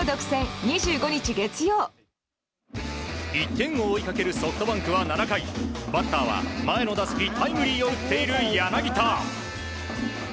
１点を追いかけるソフトバンクは７回バッターは前の打席タイムリーを打っている柳田。